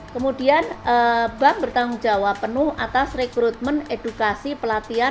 kemudian bank bertanggung jawab penuh atas rekrutmen edukasi pelatihan